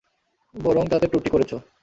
বরং তাতে ত্রুটি করেছ।